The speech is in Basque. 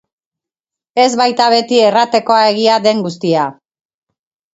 Ez baita beti erratekoa egia den guztia.